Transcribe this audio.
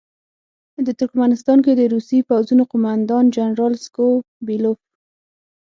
د ترکمنستان کې د روسي پوځونو قوماندان جنرال سکو بیلوف.